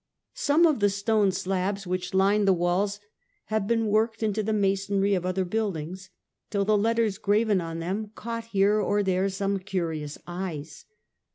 Some of the stone slabs which lined the walls have been worked into the masonry of other buildings, till the letters graven on them have caught here or there some curious eyes.